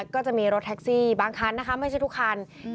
ก็จะมีรถแท็กซี่บางคันนะคะไม่ใช่ทุกคัน